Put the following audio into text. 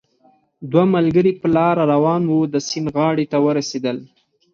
دوه ملګري په لاره روان وو، د سیند غاړې ته ورسېدل